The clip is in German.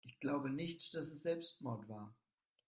Ich glaube nicht, dass es Selbstmord war.